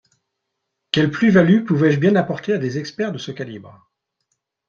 Quelle plus-value pouvais-je bien apporter à des experts de ce calibre?